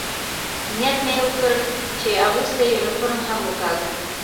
نیت مې وکړ، چې اغوستی یونیفورم هم وکاږم.